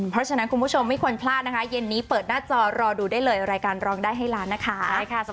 เพราะฉะนั้นคุณผู้ชมไม่ควรพลาดนะคะเย็นนี้เปิดหน้าจอรอดูได้เลยรายการร้องได้ให้ล้านนะคะ